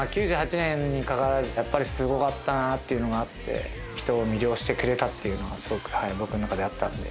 ９８年にやっぱりすごかったなあっていうのがあって人を魅了してくれたっていうのがすごく僕の中であったんで。